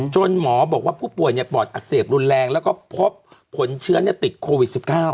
หมอบอกว่าผู้ป่วยปอดอักเสบรุนแรงแล้วก็พบผลเชื้อติดโควิด๑๙